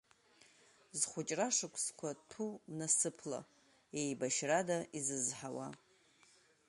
Зхәыҷра шықәсқәа ҭәу насыԥла, еибашьрада изызҳауа!